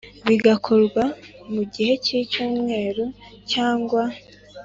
Bigakorwa mu gihe cy icyumweru cyangwa